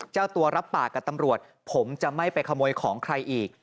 เจ้าตัวรับปากกับตำรวจผมจะไม่ไปขโมยของใครอีก